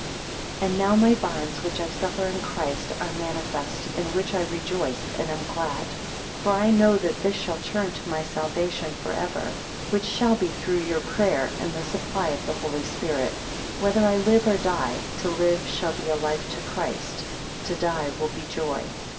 6 And now my bonds, which I suffer in Christ, are manifest, in which I rejoice and am glad. For I know that this shall turn to my salvation for ever, which shall be through your prayer, and the supply of the Holy Spirit. 8 Whether I live or die, to live shall be a life to Christ, to die will be joy.